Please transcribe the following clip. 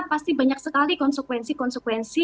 pasti banyak sekali konsekuensi konsekuensi